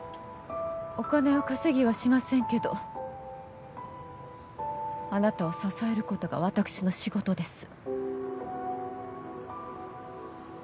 お金を稼ぎはしませんけどあなたを支えることが私の仕事です。